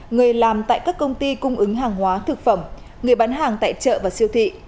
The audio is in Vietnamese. người làm tại các công ty cung ứng hàng hóa thực phẩm người bán hàng tại chợ và siêu thị